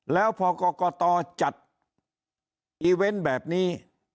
แล้วพอกรกตจัดอีเวนต์แบบนี้